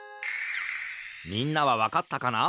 みんなはわかったかな？